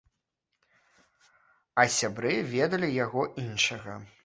А сябры ведалі яго іншага.